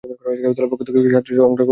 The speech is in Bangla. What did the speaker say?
দলের পক্ষে সাত টেস্টে অংশগ্রহণ করেছেন।